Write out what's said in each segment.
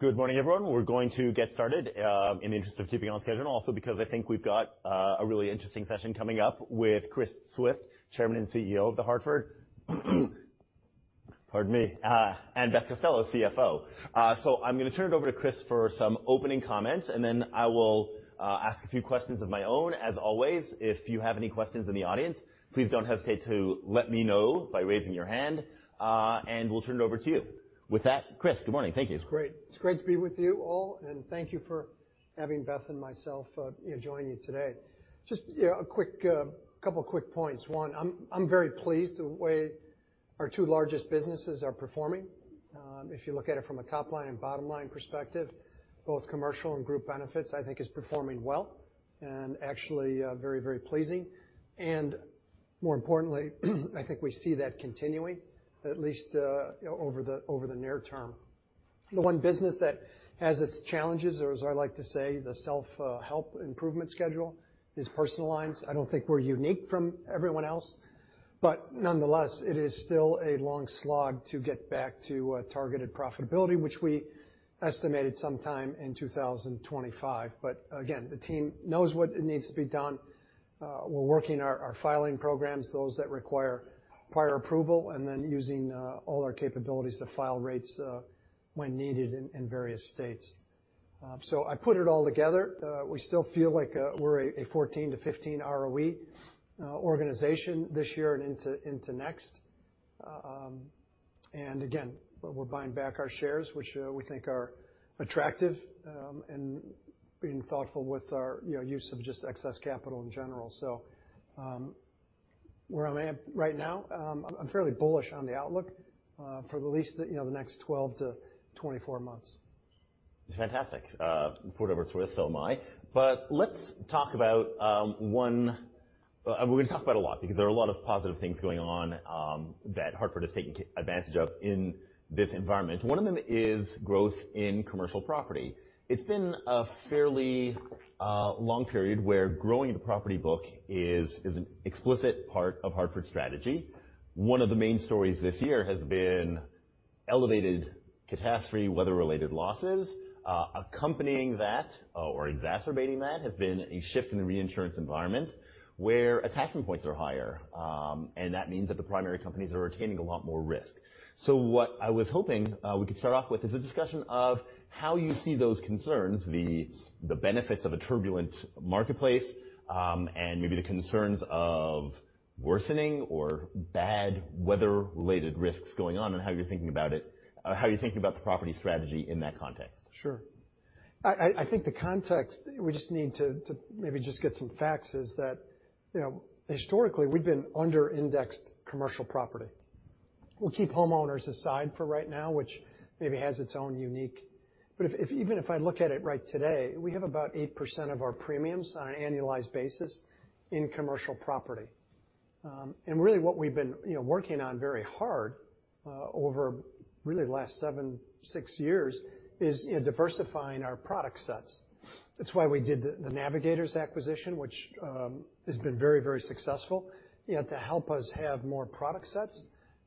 Good morning, everyone. We're going to get started in the interest of keeping on schedule, also because I think we've got a really interesting session coming up with Chris Swift, Chairman and CEO of The Hartford. Pardon me. Beth Costello, CFO. I'm going to turn it over to Chris for some opening comments, then I will ask a few questions of my own. As always, if you have any questions in the audience, please don't hesitate to let me know by raising your hand, we'll turn it over to you. With that, Chris, good morning. Thank you. It's great to be with you all, thank you for having Beth and myself join you today. Just a couple of quick points. One, I'm very pleased the way our two largest businesses are performing. If you look at it from a top-line and bottom-line perspective, both commercial and Group Benefits, I think, is performing well, actually very, very pleasing. More importantly, I think we see that continuing, at least over the near term. The one business that has its challenges, or as I like to say, the self-help improvement schedule, is personal lines. I don't think we're unique from everyone else, nonetheless, it is still a long slog to get back to targeted profitability, which we estimated sometime in 2025. Again, the team knows what needs to be done. We're working our filing programs, those that require prior approval, then using all our capabilities to file rates when needed in various states. I put it all together. We still feel like we're a 14-15 ROE organization this year and into next. Again, we're buying back our shares, which we think are attractive, being thoughtful with our use of just excess capital in general. Where I'm at right now, I'm fairly bullish on the outlook for at least the next 12-24 months. It's fantastic. Looking forward to it, am I. Let's talk about We're going to talk about a lot because there are a lot of positive things going on that Hartford is taking advantage of in this environment. One of them is growth in commercial property. It's been a fairly long period where growing the property book is an explicit part of Hartford's strategy. One of the main stories this year has been elevated catastrophe weather-related losses. Accompanying that, or exacerbating that, has been a shift in the reinsurance environment, where attachment points are higher. That means that the primary companies are retaining a lot more risk. What I was hoping we could start off with is a discussion of how you see those concerns, the benefits of a turbulent marketplace, and maybe the concerns of worsening or bad weather-related risks going on, and how you're thinking about the property strategy in that context. Sure. I think the context, we just need to maybe just get some facts, is that historically, we've been under-indexed commercial property. We'll keep homeowners aside for right now. Even if I look at it right today, we have about 8% of our premiums on an annualized basis in commercial property. Really, what we've been working on very hard over really the last seven, six years is diversifying our product sets. That's why we did the Navigators acquisition, which has been very successful, to help us have more product sets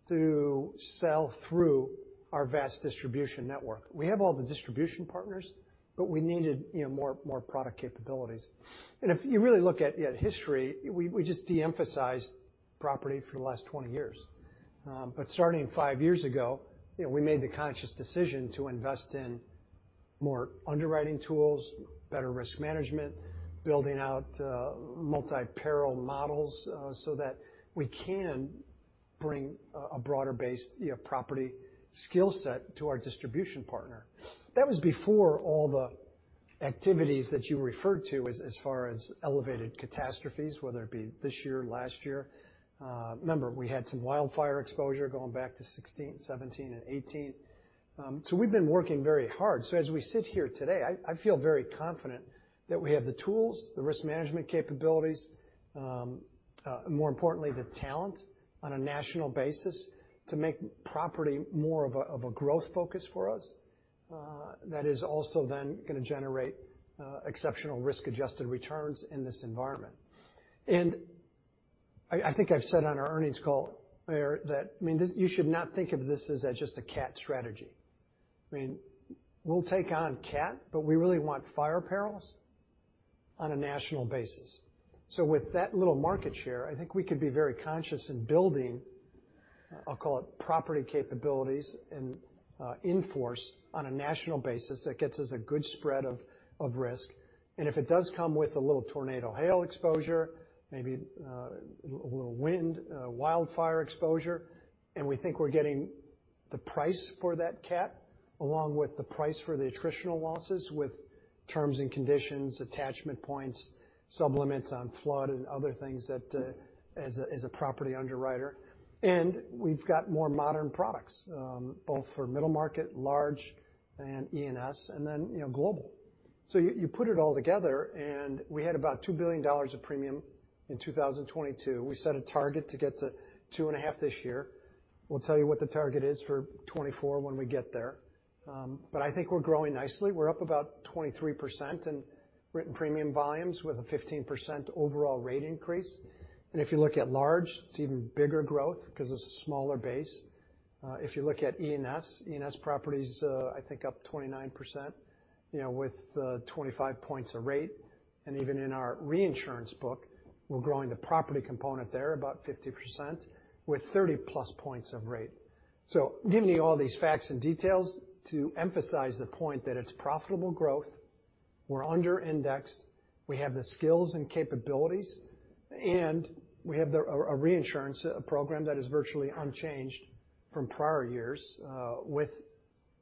to sell through our vast distribution network. We have all the distribution partners, but we needed more product capabilities. If you really look at history, we just de-emphasized property for the last 20 years. Starting five years ago, we made the conscious decision to invest in more underwriting tools, better risk management, building out multi-peril models so that we can bring a broader base property skill set to our distribution partner. That was before all the activities that you referred to as far as elevated catastrophes, whether it be this year, last year. Remember, we had some wildfire exposure going back to 2016, 2017, and 2018. We've been working very hard. As we sit here today, I feel very confident that we have the tools, the risk management capabilities, more importantly, the talent on a national basis to make property more of a growth focus for us. That is also then going to generate exceptional risk-adjusted returns in this environment. I think I've said on our earnings call, that you should not think of this as just a cat strategy. We'll take on cat, but we really want fire perils on a national basis. With that little market share, I think we could be very conscious in building, I'll call it property capabilities in force on a national basis that gets us a good spread of risk. If it does come with a little tornado hail exposure, maybe a little wind wildfire exposure, and we think we're getting the price for that cat, along with the price for the attritional losses with terms and conditions, attachment points, sublimits on flood, and other things as a property underwriter. We've got more modern products, both for middle market, large, and E&S, and then global. You put it all together, and we had about $2 billion of premium in 2022. We set a target to get to two and a half this year. We'll tell you what the target is for 2024 when we get there. I think we're growing nicely. We're up about 23% in written premium volumes with a 15% overall rate increase. If you look at large, it's even bigger growth because it's a smaller base. If you look at E&S, E&S properties, I think up 29% with 25 points of rate. Even in our reinsurance book, we're growing the property component there about 50% with 30-plus points of rate. Giving you all these facts and details to emphasize the point that it's profitable growth, we're under-indexed, we have the skills and capabilities, and we have a reinsurance program that is virtually unchanged from prior years, with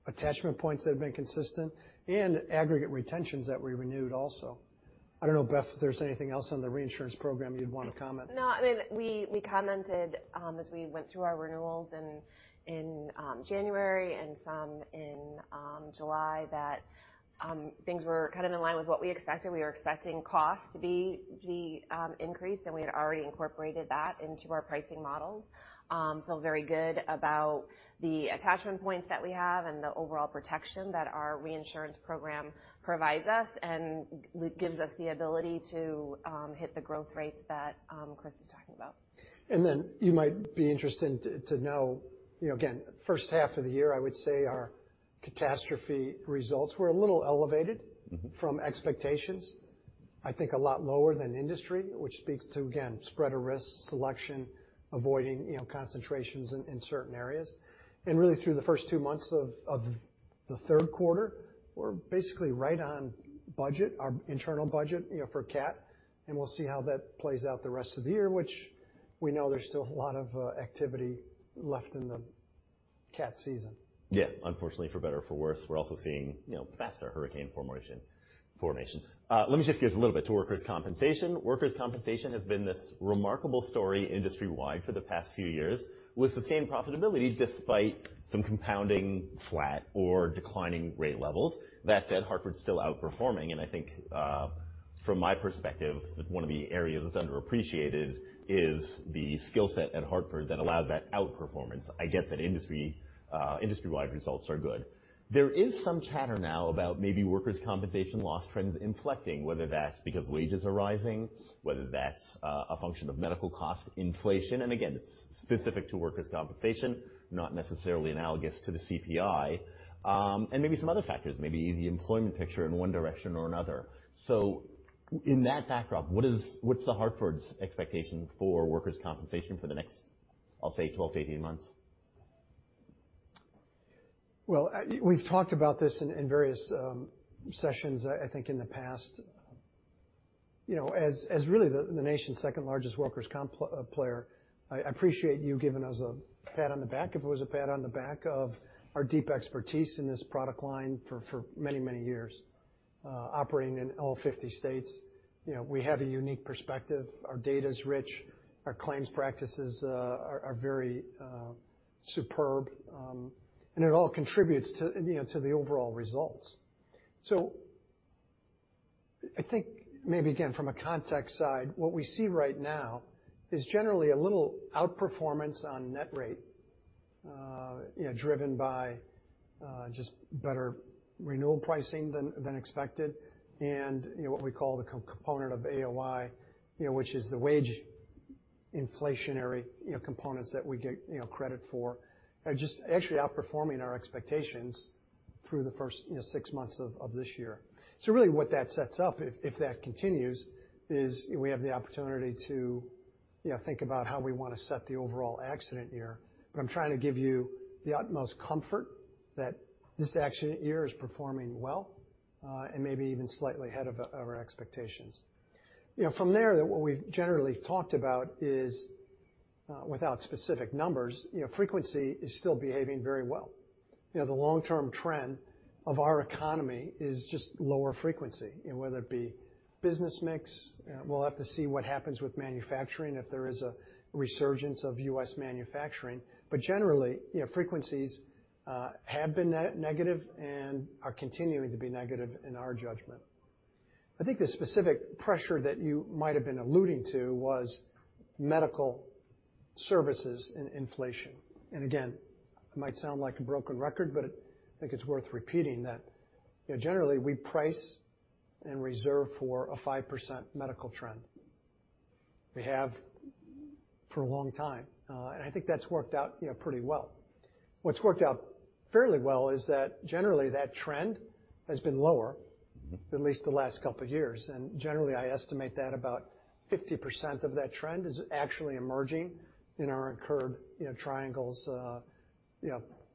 attachment points that have been consistent and aggregate retentions that we renewed also. I don't know, Beth, if there's anything else on the reinsurance program you'd want to comment. We commented as we went through our renewals in January and some in July that things were in line with what we expected. We were expecting cost to be the increase, and we had already incorporated that into our pricing models. Feel very good about the attachment points that we have and the overall protection that our reinsurance program provides us and gives us the ability to hit the growth rates that Chris is talking about. You might be interested to know, again, first half of the year, I would say our catastrophe results were a little elevated. From expectations. I think a lot lower than industry, which speaks to, again, spread of risk, selection, avoiding concentrations in certain areas. Really through the first two months of the third quarter, we're basically right on budget, our internal budget for cat, and we'll see how that plays out the rest of the year, which we know there's still a lot of activity left in the cat season. Yeah. Unfortunately, for better or for worse, we're also seeing faster hurricane formation. Let me shift gears a little bit to workers' compensation. Workers' compensation has been this remarkable story industry-wide for the past few years, with sustained profitability despite some compounding flat or declining rate levels. That said, Hartford's still outperforming, and I think, from my perspective, one of the areas that's underappreciated is the skill set at Hartford that allows that outperformance. I get that industry-wide results are good. There is some chatter now about maybe workers' compensation loss trends inflecting, whether that's because wages are rising, whether that's a function of medical cost inflation, and again, it's specific to workers' compensation, not necessarily analogous to the CPI, and maybe some other factors, maybe the employment picture in one direction or another. In that backdrop, what's The Hartford's expectation for workers' compensation for the next, I'll say, 12-18 months? Well, we've talked about this in various sessions, I think, in the past. As really the nation's second-largest workers' comp player, I appreciate you giving us a pat on the back, if it was a pat on the back, of our deep expertise in this product line for many, many years, operating in all 50 states. We have a unique perspective. Our data's rich. Our claims practices are very superb. It all contributes to the overall results. I think maybe, again, from a context side, what we see right now is generally a little outperformance on net rate, driven by just better renewal pricing than expected and what we call the component of AOI, which is the wage inflationary components that we get credit for, are just actually outperforming our expectations through the first six months of this year. Really what that sets up, if that continues, is we have the opportunity to think about how we want to set the overall accident year. I'm trying to give you the utmost comfort that this accident year is performing well, and maybe even slightly ahead of our expectations. From there, what we've generally talked about is, without specific numbers, frequency is still behaving very well. The long-term trend of our economy is just lower frequency, whether it be business mix, we'll have to see what happens with manufacturing if there is a resurgence of U.S. manufacturing. Generally, frequencies have been negative and are continuing to be negative in our judgment. I think the specific pressure that you might've been alluding to was medical services and inflation. It might sound like a broken record, I think it's worth repeating that generally, we price and reserve for a 5% medical trend. We have for a long time. I think that's worked out pretty well. What's worked out fairly well is that generally that trend has been lower- at least the last couple of years. Generally, I estimate that about 50% of that trend is actually emerging in our incurred triangles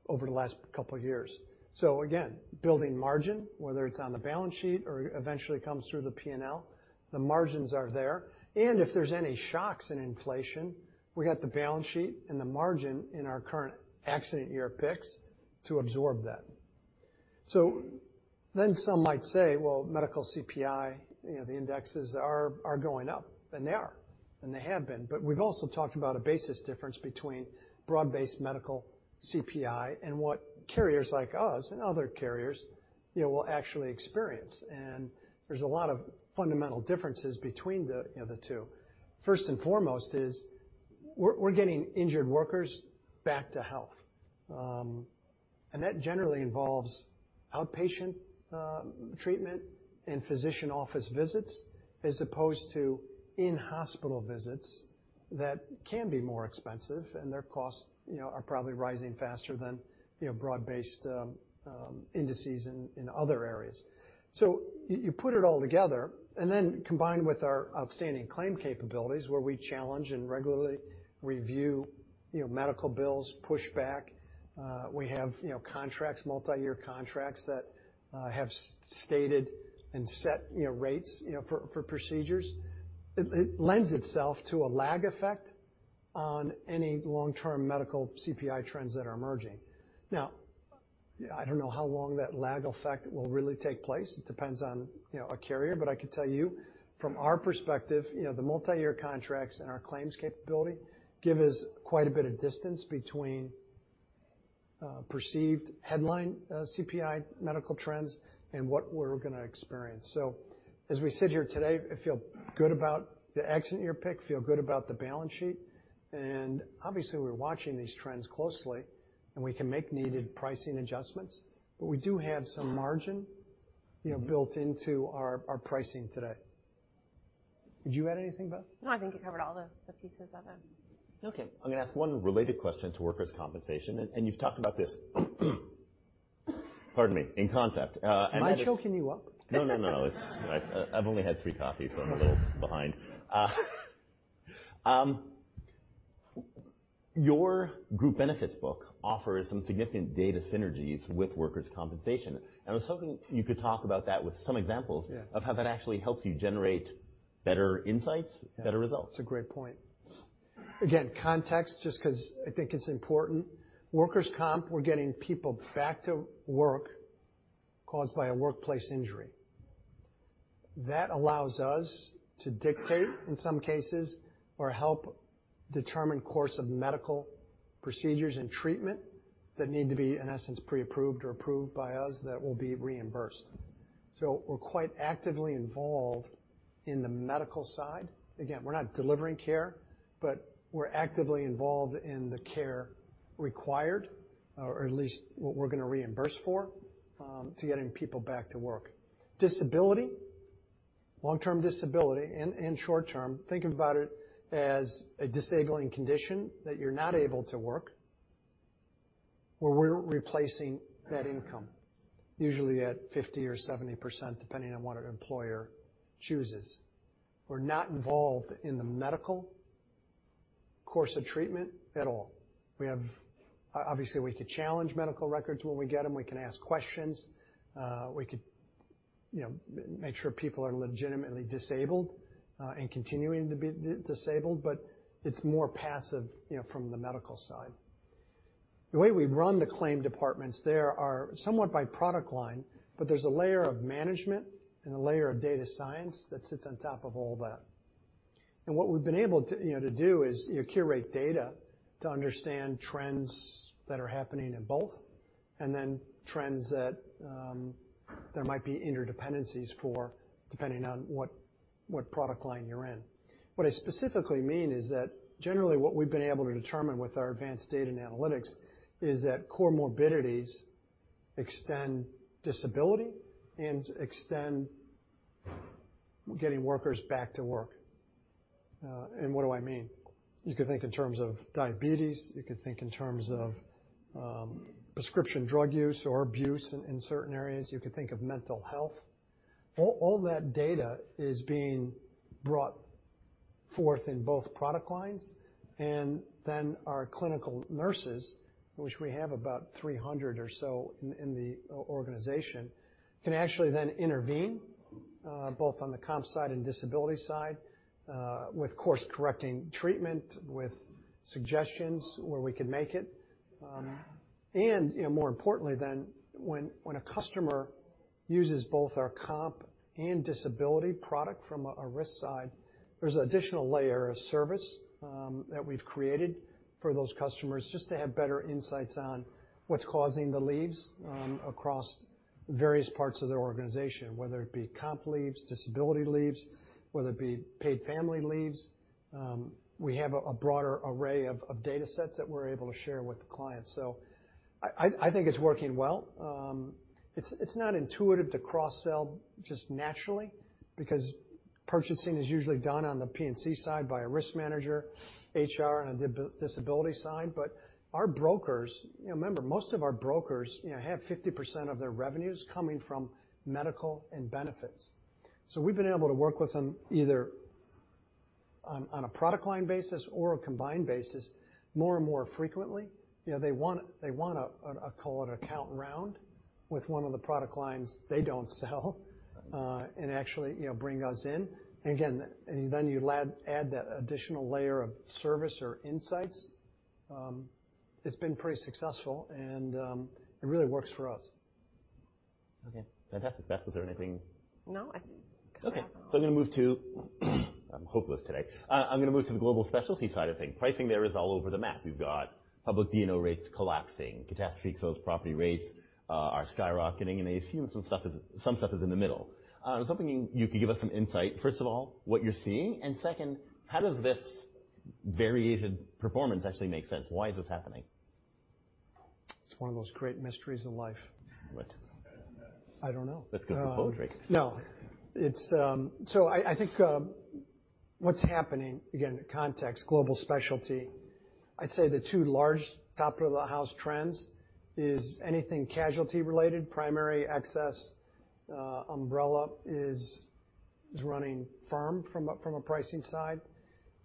over the last couple of years. Again, building margin, whether it's on the balance sheet or eventually comes through the P&L, the margins are there. If there's any shocks in inflation, we got the balance sheet and the margin in our current accident year picks to absorb that. Some might say, well, medical CPI, the indexes are going up. They are. They have been. We've also talked about a basis difference between broad-based medical CPI and what carriers like us and other carriers will actually experience. There's a lot of fundamental differences between the two. First and foremost is we're getting injured workers back to health. That generally involves outpatient treatment and physician office visits as opposed to in-hospital visits that can be more expensive, and their costs are probably rising faster than broad-based indices in other areas. You put it all together, then combined with our outstanding claim capabilities, where we challenge and regularly review medical bills, push back. We have multi-year contracts that have stated and set rates for procedures. It lends itself to a lag effect on any long-term medical CPI trends that are emerging. I don't know how long that lag effect will really take place. It depends on a carrier. I could tell you from our perspective, the multi-year contracts and our claims capability give us quite a bit of distance between perceived headline CPI medical trends and what we're going to experience. As we sit here today, I feel good about the accident year pick, feel good about the balance sheet, obviously, we're watching these trends closely, we can make needed pricing adjustments, we do have some margin built into our pricing today. Did you add anything, Beth? No, I think you covered all the pieces of it. Okay. I'm going to ask one related question to workers' compensation, and you've talked about this. Pardon me. In concept. Am I choking you up? No, no. I've only had three coffees, so I'm a little behind. Your Group Benefits book offers some significant data synergies with workers' compensation. I was hoping you could talk about that with some examples. Yeah of how that actually helps you generate better insights, better results. That's a great point. Again, context, just because I think it's important. Workers' comp, we're getting people back to work caused by a workplace injury. That allows us to dictate, in some cases, or help determine course of medical procedures and treatment that need to be, in essence, pre-approved or approved by us that will be reimbursed. We're quite actively involved in the medical side. Again, we're not delivering care, but we're actively involved in the care required, or at least what we're going to reimburse for, to getting people back to work. Disability, long-term disability and short-term, think about it as a disabling condition that you're not able to work, where we're replacing that income, usually at 50% or 70%, depending on what an employer chooses. We're not involved in the medical course of treatment at all. Obviously, we could challenge medical records when we get them. We can ask questions. We could make sure people are legitimately disabled, and continuing to be disabled, but it's more passive from the medical side. The way we run the claim departments there are somewhat by product line, but there's a layer of management and a layer of data science that sits on top of all that. What we've been able to do is curate data to understand trends that are happening in both, then trends that there might be interdependencies for, depending on what product line you're in. What I specifically mean is that generally what we've been able to determine with our advanced data and analytics is that comorbidities extend disability and extend getting workers back to work. What do I mean? You could think in terms of diabetes. You could think in terms of prescription drug use or abuse in certain areas. You could think of mental health. All that data is being brought forth in both product lines, then our clinical nurses, which we have about 300 or so in the organization, can actually then intervene, both on the comp side and disability side, with course-correcting treatment, with suggestions where we can make it. More importantly then, when a customer uses both our comp and disability product from a risk side, there's additional layer of service that we've created for those customers just to have better insights on what's causing the leaves across various parts of their organization, whether it be comp leaves, disability leaves, whether it be paid family leaves. We have a broader array of data sets that we're able to share with the clients. I think it's working well. Our brokers, remember, most of our brokers have 50% of their revenues coming from medical and benefits. We've been able to work with them either on a product line basis or a combined basis more and more frequently. They want, call it, an account round with one of the product lines they don't sell, and actually bring us in. Again, then you add that additional layer of service or insights. It's been pretty successful, and it really works for us. Okay. Fantastic. Beth, was there anything? No, I think. Okay. I'm going to move to I'm hopeless today. I'm going to move to the Global Specialty side of things. Pricing there is all over the map. We've got public D&O rates collapsing, catastrophe exposed property rates are skyrocketing, and I assume some stuff is in the middle. I was hoping you could give us some insight, first of all, what you're seeing, and second, how does this variation performance actually makes sense. Why is this happening? It's one of those great mysteries of life. What? I don't know. That's good for poetry. No. I think what's happening, again, context, Global Specialty, I'd say the two large top of the house trends is anything casualty related, primary excess umbrella is running firm from a pricing side,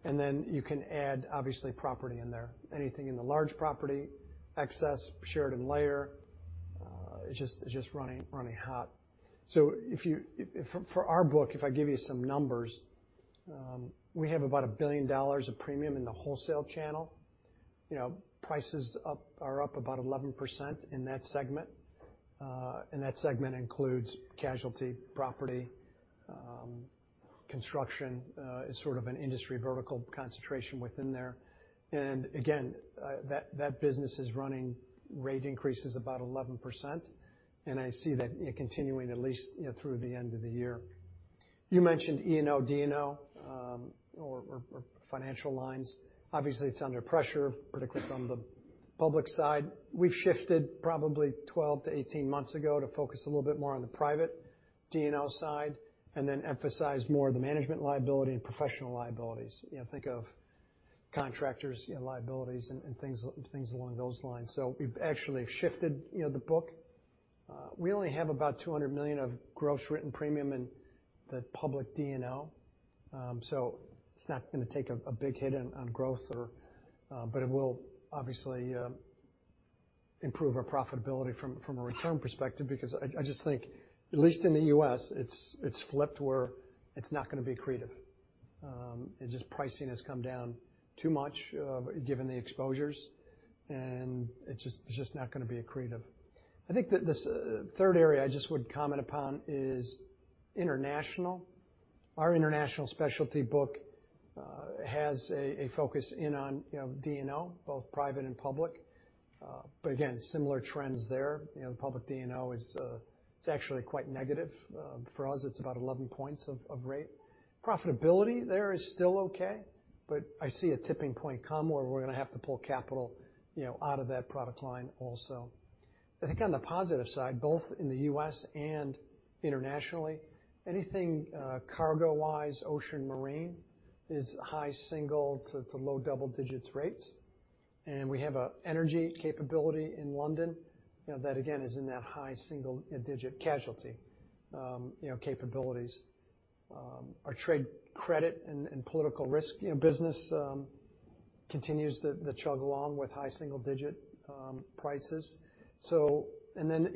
then you can add, obviously, property in there. Anything in the large property, excess, shared, and layer, is just running hot. For our book, if I give you some numbers, we have about $1 billion of premium in the wholesale channel. Prices are up about 11% in that segment. That segment includes casualty, property, construction, as sort of an industry vertical concentration within there. Again, that business is running rate increases about 11%, and I see that continuing at least through the end of the year. You mentioned E&O, D&O, or financial lines. Obviously, it's under pressure, particularly from the public side. We've shifted probably 12-18 months ago to focus a little bit more on the private D&O side, emphasize more of the management liability and professional liabilities. Think of contractors' liabilities and things along those lines. We've actually shifted the book. We only have about $200 million of gross written premium in the public D&O. It's not going to take a big hit on growth but it will obviously improve our profitability from a return perspective, because I just think, at least in the U.S., it's flipped where it's not going to be accretive. Just pricing has come down too much given the exposures, it's just not going to be accretive. I think that this third area I just would comment upon is international. Our international specialty book has a focus in on D&O, both private and public. Again, similar trends there. The public D&O it's actually quite negative. For us, it's about 11 points of rate. Profitability there is still okay, but I see a tipping point come where we're going to have to pull capital out of that product line also. I think on the positive side, both in the U.S. and internationally, anything cargo-wise, ocean marine, is high single to low double digits rates. We have an energy capability in London that, again, is in that high single-digit casualty capabilities. Our trade credit and political risk business continues to chug along with high single-digit prices.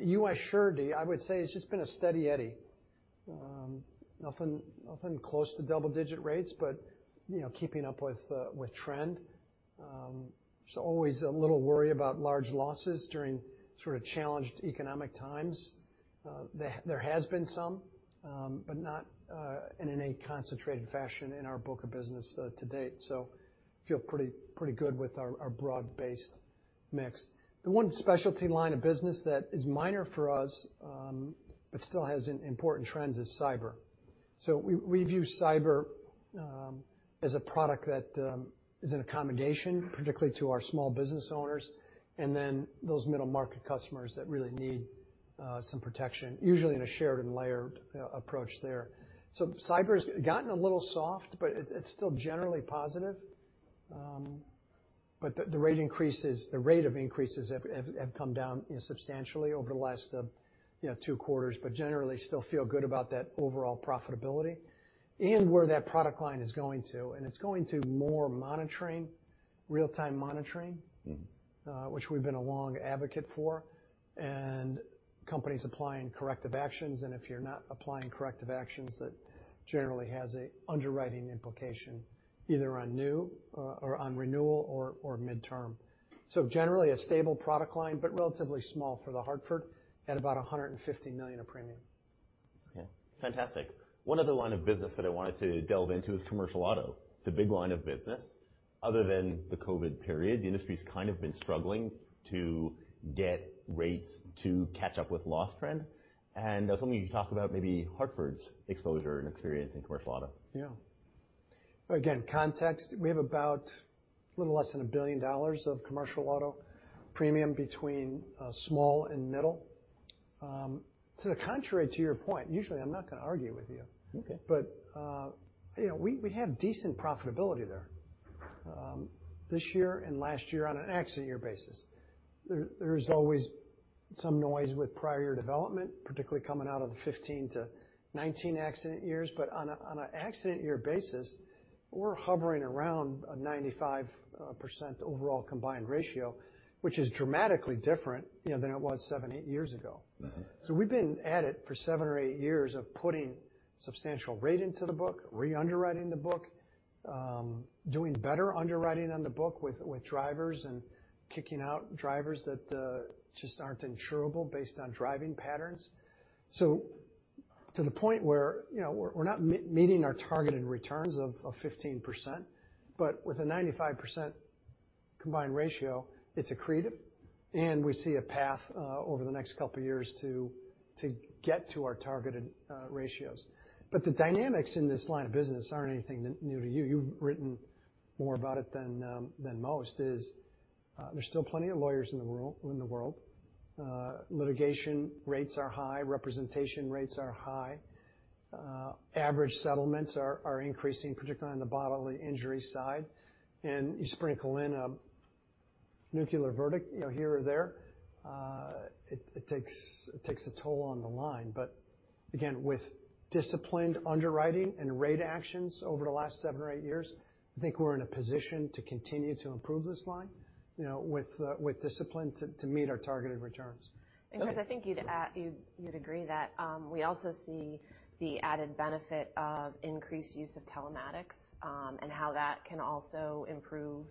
U.S. surety, I would say it's just been a steady eddy. Nothing close to double-digit rates, but keeping up with trend. There's always a little worry about large losses during sort of challenged economic times. There has been some, but not in any concentrated fashion in our book of business to date. Feel pretty good with our broad-based mix. The one specialty line of business that is minor for us, but still has important trends, is cyber. We view cyber as a product that is an accommodation, particularly to our small business owners, and then those middle-market customers that really need some protection, usually in a shared and layered approach there. Cyber's gotten a little soft, but it's still generally positive. The rate of increases have come down substantially over the last two quarters, but generally still feel good about that overall profitability and where that product line is going to. It's going to more monitoring, real-time monitoring, which we've been a long advocate for, and companies applying corrective actions, and if you're not applying corrective actions, that generally has a underwriting implication, either on new or on renewal or midterm. Generally, a stable product line, but relatively small for The Hartford at about $150 million of premium. Okay. Fantastic. One other line of business that I wanted to delve into is commercial auto. It's a big line of business. Other than the COVID period, the industry's kind of been struggling to get rates to catch up with loss trend. I was wondering if you could talk about maybe Hartford's exposure and experience in commercial auto. Yeah. Again, context, we have about a little less than $1 billion of commercial auto premium between small and middle. To the contrary to your point, usually I'm not going to argue with you. Okay. We have decent profitability there. This year and last year on an accident year basis. There's always some noise with prior year development, particularly coming out of the 2015 to 2019 accident years. On an accident year basis, we're hovering around a 95% overall combined ratio, which is dramatically different than it was seven, eight years ago. We've been at it for seven or eight years of putting substantial rate into the book, re-underwriting the book, doing better underwriting on the book with drivers and kicking out drivers that just aren't insurable based on driving patterns. To the point where we're not meeting our targeted returns of 15%, but with a 95% combined ratio, it's accretive, and we see a path over the next couple of years to get to our targeted ratios. The dynamics in this line of business aren't anything new to you. You've written more about it than most is, there's still plenty of lawyers in the world. Litigation rates are high, representation rates are high. Average settlements are increasing, particularly on the bodily injury side. You sprinkle in a nuclear verdict here or there, it takes a toll on the line. Again, with disciplined underwriting and rate actions over the last seven or eight years, I think we're in a position to continue to improve this line with discipline to meet our targeted returns. Chris, I think you'd agree that we also see the added benefit of increased use of telematics, and how that can also improve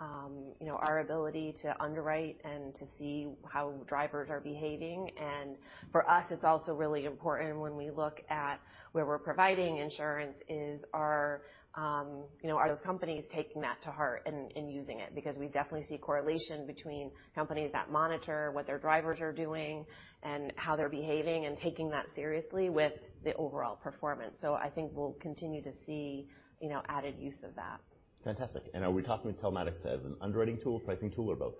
our ability to underwrite and to see how drivers are behaving. For us, it's also really important when we look at where we're providing insurance is, are those companies taking that to heart and using it? Because we definitely see a correlation between companies that monitor what their drivers are doing and how they're behaving and taking that seriously with the overall performance. I think we'll continue to see added use of that. Fantastic. Are we talking telematics as an underwriting tool, pricing tool, or both?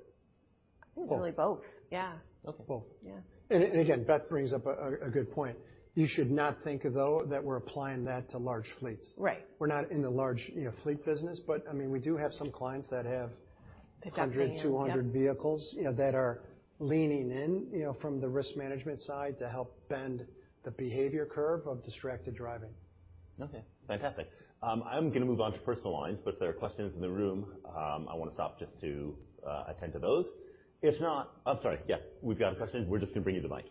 I think it's really both. Yeah. Okay. Both. Yeah. Again, Beth brings up a good point. You should not think though, that we're applying that to large fleets. Right. We're not in the large fleet business, we do have some clients. They've got van, yep 100, 200 vehicles that are leaning in from the risk management side to help bend the behavior curve of distracted driving. Okay, fantastic. I'm going to move on to personal lines, but if there are questions in the room, I want to stop just to attend to those. I'm sorry, yeah. We've got a question. We're just going to bring you the mic.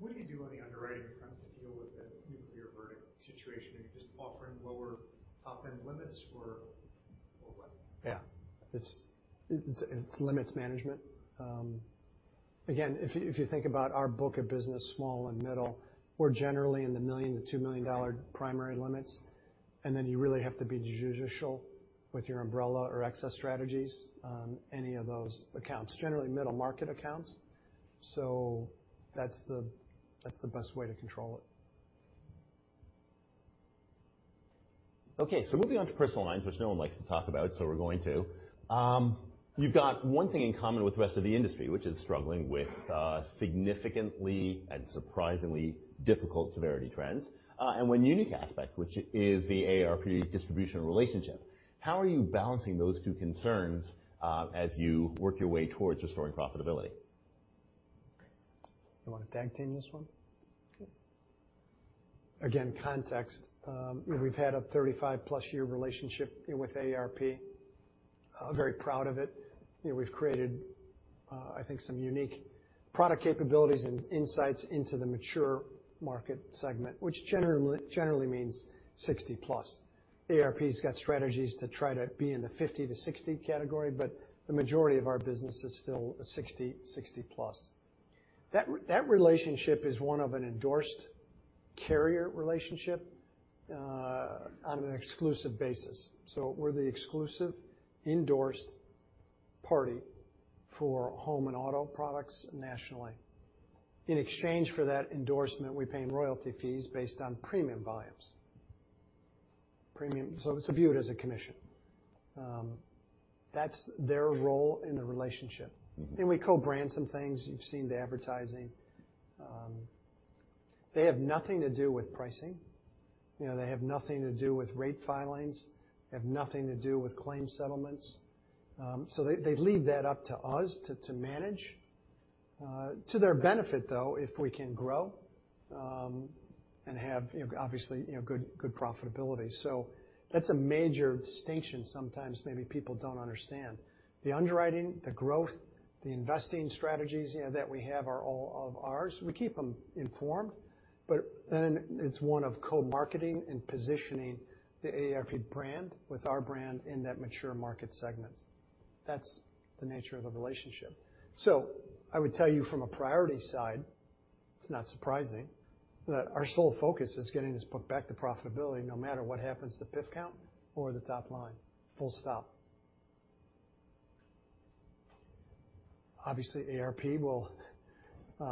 What do you do on the underwriting front to deal with the nuclear verdict situation? Are you just offering lower top-end limits or what? Yeah. It's limits management. Again, if you think about our book of business, small and middle, we're generally in the $1 million to $2 million primary limits, and then you really have to be judicious with your umbrella or excess strategies on any of those accounts. Generally middle market accounts. That's the best way to control it. Moving on to personal lines, which no one likes to talk about, so we're going to. You've got one thing in common with the rest of the industry, which is struggling with significantly and surprisingly difficult severity trends. One unique aspect, which is the AARP distribution relationship. How are you balancing those two concerns as you work your way towards restoring profitability? You want to tag team this one? Sure. Again, context. We've had a 35-plus year relationship with AARP. Very proud of it. We've created, I think, some unique product capabilities and insights into the mature market segment, which generally means 60 plus. AARP's got strategies to try to be in the 50 to 60 category, but the majority of our business is still 60 plus. That relationship is one of an endorsed carrier relationship on an exclusive basis. We're the exclusive endorsed party for home and auto products nationally. In exchange for that endorsement, we pay royalty fees based on premium volumes. It's viewed as a commission. That's their role in the relationship. We co-brand some things. You've seen the advertising. They have nothing to do with pricing. They have nothing to do with rate filings, have nothing to do with claim settlements. They leave that up to us to manage. To their benefit, though, if we can grow, and have, obviously, good profitability. That's a major distinction sometimes maybe people don't understand. The underwriting, the growth, the investing strategies that we have are all of ours. We keep them informed. It's one of co-marketing and positioning the AARP brand with our brand in that mature market segments. That's the nature of the relationship. I would tell you from a priority side, it's not surprising that our sole focus is getting this book back to profitability, no matter what happens to PIF count or the top line. Full stop. Obviously, AARP will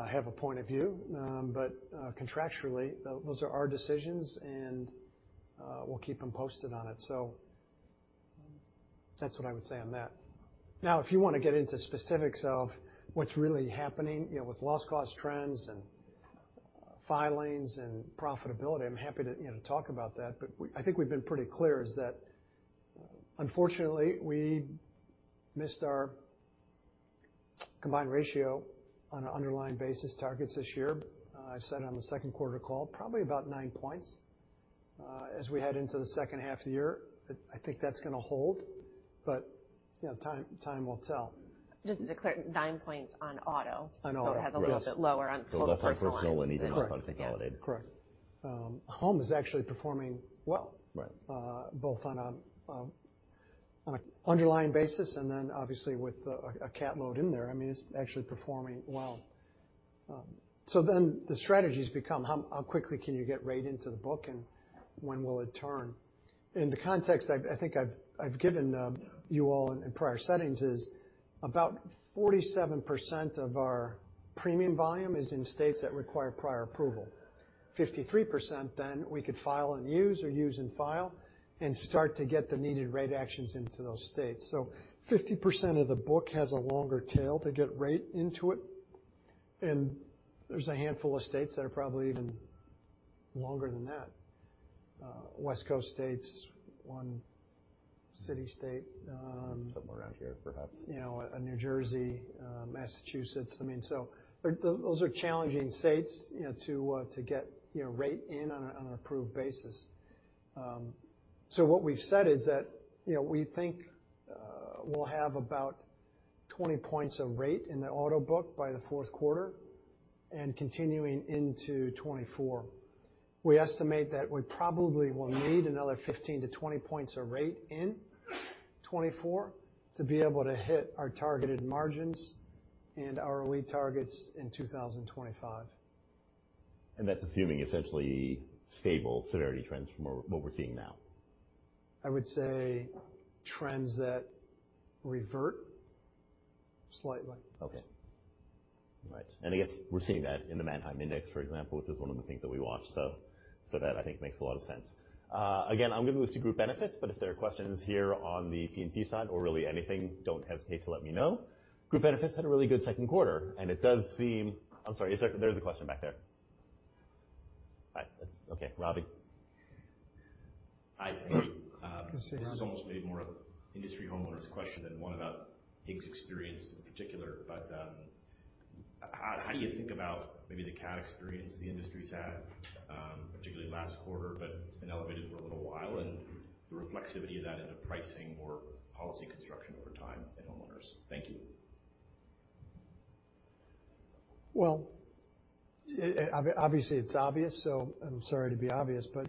have a point of view. Contractually, those are our decisions, and we'll keep them posted on it. That's what I would say on that. If you want to get into specifics of what's really happening with loss cost trends and filings and profitability, I'm happy to talk about that. I think we've been pretty clear is that unfortunately, we missed our combined ratio on an underlying basis targets this year. I said on the second quarter call probably about nine points. As we head into the second half of the year, I think that's going to hold. Time will tell. Just to be clear, nine points on auto. On auto. It has a little bit lower on personal lines. That's on personal and even less on consolidated. Correct. Home is actually performing well. Right. On an underlying basis, obviously with a cat load in there, it's actually performing well. The strategies become how quickly can you get rate into the book, and when will it turn? In the context I think I've given you all in prior settings is about 47% of our premium volume is in states that require prior approval, 53% then we could file and use or use and file and start to get the needed rate actions into those states. 50% of the book has a longer tail to get rate into it, and there's a handful of states that are probably even longer than that. West Coast states, New York state. Somewhere around here, perhaps New Jersey, Massachusetts. Those are challenging states to get rate in on an approved basis. What we've said is that, we think we'll have about 20 points of rate in the auto book by the fourth quarter, and continuing into 2024. We estimate that we probably will need another 15-20 points of rate in 2024 to be able to hit our targeted margins and our lead targets in 2025. That's assuming essentially stable severity trends from what we're seeing now. I would say trends that revert slightly. Okay. Right. I guess we're seeing that in the Manheim Index, for example, which is one of the things that we watch. That I think makes a lot of sense. I'm going to move to Group Benefits, but if there are questions here on the P&C side or really anything, don't hesitate to let me know. Group Benefits had a really good second quarter, it does seem I'm sorry. There's a question back there. Okay, Robbie. Hi. Thank you. You can say hi. This is almost maybe more of industry homeowners question than one about The Hartford's experience in particular, but how do you think about maybe the cat experience the industry's had, particularly last quarter, but it's been elevated for a little while, and the reflexivity of that into pricing or policy construction over time in homeowners? Thank you. Well, obviously, it's obvious, so I'm sorry to be obvious, but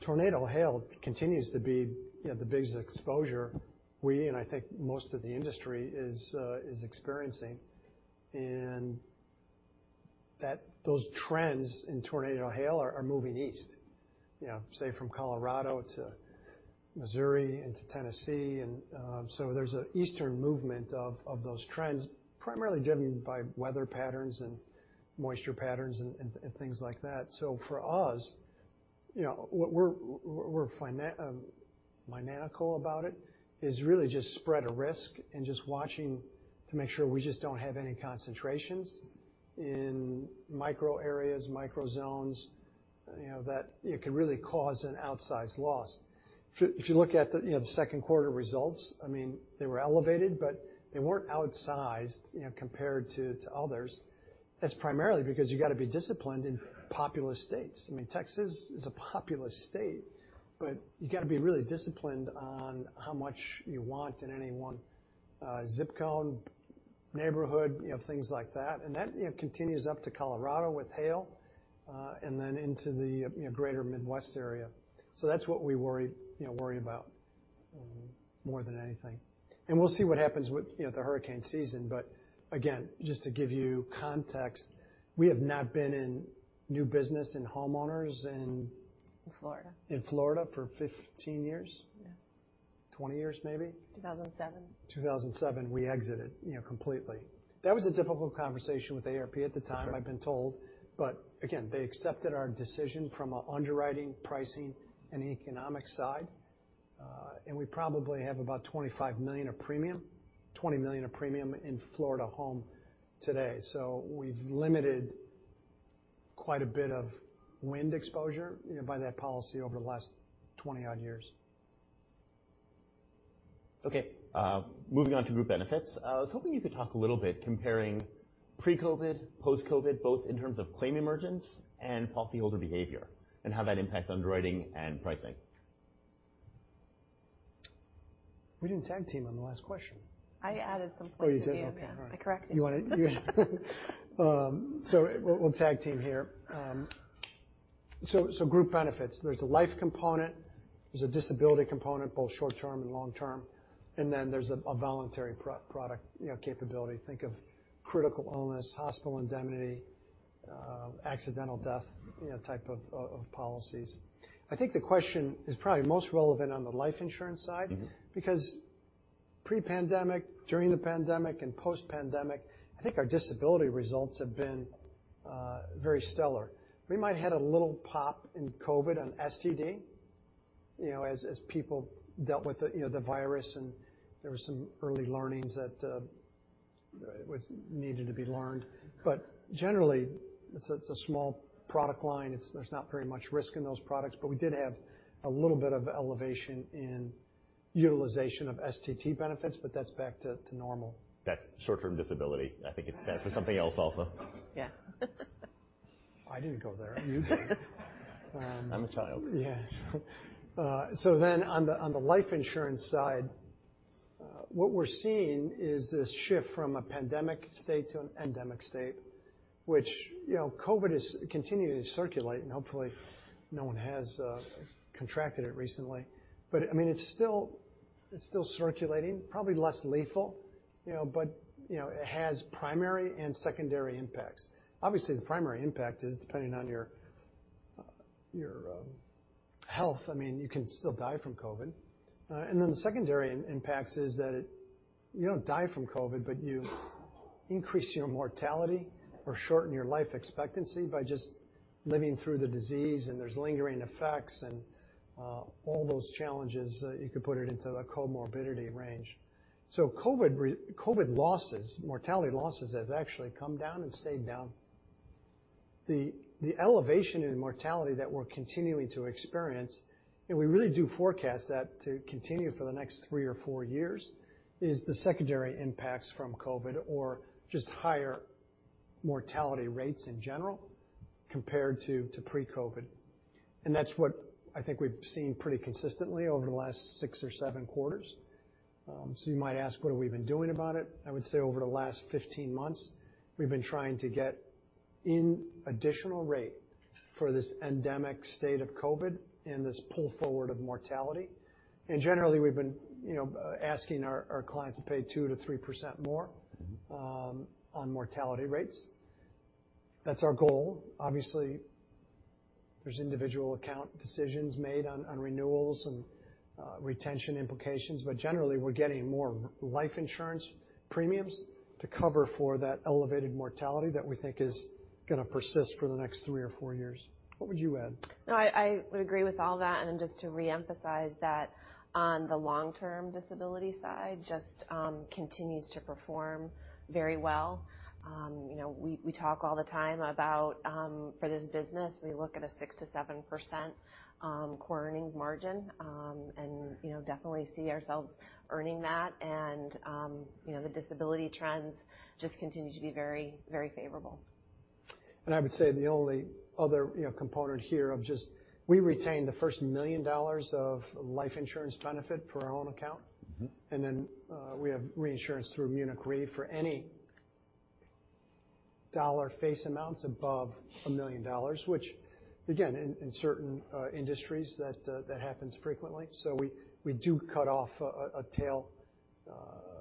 tornado hail continues to be the biggest exposure we, and I think most of the industry is experiencing, and those trends in tornado hail are moving east, say from Colorado to Missouri into Tennessee. There's an eastern movement of those trends, primarily driven by weather patterns and moisture patterns, and things like that. For us, what we're fanatical about it is really just spread a risk and just watching to make sure we just don't have any concentrations in micro areas, micro zones, that it could really cause an outsized loss. If you look at the second quarter results, they were elevated, but they weren't outsized compared to others. That's primarily because you've got to be disciplined in populous states. Texas is a populous state, but you got to be really disciplined on how much you want in any one zip code, neighborhood, things like that. That continues up to Colorado with hail, and then into the greater Midwest area. That's what we worry about more than anything. We'll see what happens with the hurricane season. Again, just to give you context, we have not been in new business in homeowners and- In Florida in Florida for 15 years. Yeah. 20 years, maybe. 2007. 2007, we exited completely. That was a difficult conversation with AARP at the time. That's right I've been told. Again, they accepted our decision from an underwriting, pricing, and economic side. We probably have about $25 million of premium, $20 million of premium in Florida home today. We've limited quite a bit of wind exposure by that policy over the last 20-odd years. Moving on to Group Benefits. I was hoping you could talk a little bit comparing pre-COVID, post-COVID, both in terms of claim emergence and policyholder behavior, and how that impacts underwriting and pricing. We didn't tag team on the last question. I added some points at the end. You did? Okay. All right. I corrected you. We'll tag team here. Group Benefits, there's a life component, there's a disability component, both short-term and long-term, and then there's a voluntary product capability. Think of Critical Illness, Hospital Indemnity, accidental death type of policies. I think the question is probably most relevant on the life insurance side because pre-pandemic, during the pandemic, and post-pandemic, I think our disability results have been very stellar. We might had a little pop in COVID on STD, as people dealt with the virus and there were some early learnings that was needed to be learned. Generally, it's a small product line. There's not very much risk in those products, we did have a little bit of elevation in utilization of STD benefits, but that's back to normal. That's short-term disability. I think it stands for something else also. Yeah. I didn't go there. You did. I'm a child. Yeah. On the life insurance side, what we're seeing is this shift from a pandemic state to an endemic state, which COVID is continuing to circulate, and hopefully, no one has contracted it recently. It's still circulating, probably less lethal, but it has primary and secondary impacts. Obviously, the primary impact is depending on your health, you can still die from COVID. The secondary impacts is that you don't die from COVID, but you increase your mortality or shorten your life expectancy by just living through the disease, and there's lingering effects and all those challenges, you could put it into a comorbidity range. COVID losses, mortality losses, have actually come down and stayed down. The elevation in mortality that we're continuing to experience, we really do forecast that to continue for the next three or four years, is the secondary impacts from COVID, or just higher mortality rates in general compared to pre-COVID. That's what I think we've seen pretty consistently over the last six or seven quarters. You might ask, what have we been doing about it? I would say over the last 15 months, we've been trying to get in additional rate for this endemic state of COVID and this pull forward of mortality. Generally, we've been asking our clients to pay 2%-3% more on mortality rates. That's our goal. Obviously, there's individual account decisions made on renewals and retention implications, but generally, we're getting more life insurance premiums to cover for that elevated mortality that we think is going to persist for the next three or four years. What would you add? No, I would agree with all that. Just to reemphasize that on the long-term disability side, just continues to perform very well. We talk all the time about, for this business, we look at a 6%-7% core earnings margin, definitely see ourselves earning that. The disability trends just continue to be very favorable. I would say the only other component here of just, we retain the first $1 million of life insurance benefit per our own account. We have reinsurance through Munich Re for any dollar face amounts above $1 million, which again, in certain industries that happens frequently. We do cut off a tail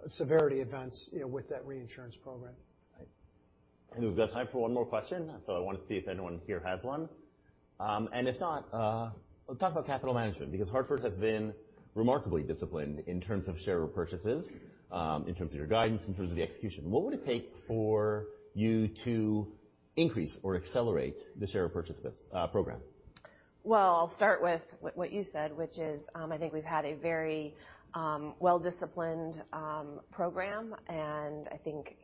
severity events with that reinsurance program. Right. We've got time for one more question. I want to see if anyone here has one. If not, let's talk about capital management, because The Hartford has been remarkably disciplined in terms of share repurchases, in terms of your guidance, in terms of the execution. What would it take for you to increase or accelerate the share repurchase program? Well, I'll start with what you said, which is, I think we've had a very well-disciplined program, I think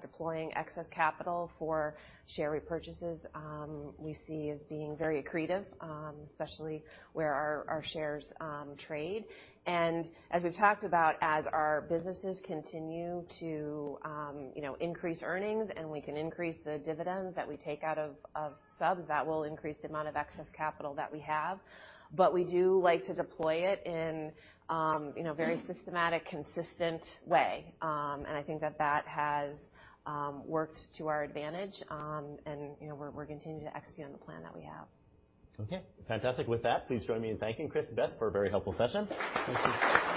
deploying excess capital for share repurchases we see as being very accretive, especially where our shares trade. As we've talked about, as our businesses continue to increase earnings, we can increase the dividends that we take out of subs, that will increase the amount of excess capital that we have. We do like to deploy it in very systematic, consistent way. I think that has worked to our advantage. We're continuing to execute on the plan that we have. Okay, fantastic. With that, please join me in thanking Chris and Beth for a very helpful session.